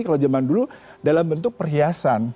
kalau zaman dulu dalam bentuk perhiasan